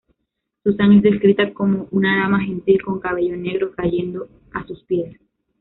Susan es descrita como una dama gentil con cabello negro cayendo a sus pies.